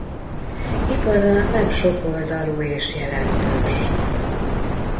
Ipara nem sokoldalú és jelentős.